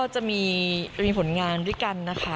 จะมีผลงานด้วยกันนะคะ